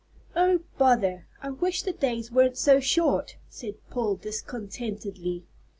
"Oh, bother! I wish the days weren't so short," said Paul discontentedly.